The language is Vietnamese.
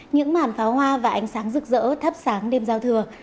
những màn pháo hoa và ánh sáng rực rỡ thắp sáng đêm giao thừa